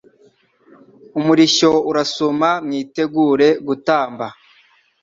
Umurishyo urasuma mwitegure gutamba